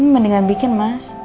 mendingan bikin mas